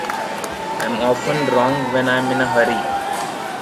I'm often wrong when I'm in a hurry.